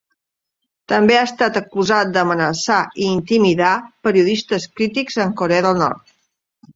També ha estat acusat d'amenaçar i intimidar periodistes crítics amb Corea del Nord.